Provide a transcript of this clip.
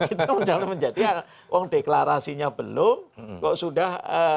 itu menjadikan orang deklarasinya belum kok sudah